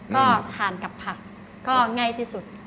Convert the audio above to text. ก็ทานกับผักก็ง่ายที่สุด